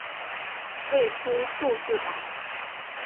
未出数字版。